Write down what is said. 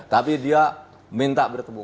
tapi dia minta bertemu